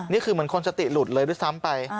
นี่คือเหมือนคนสติหลุดเลยด้วยซ้ำไป